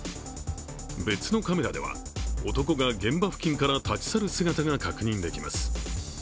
別のカメラでは、男が現場付近から立ち去る姿が確認できます。